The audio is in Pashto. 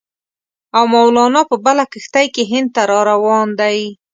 او مولنا په بله کښتۍ کې هند ته را روان دی.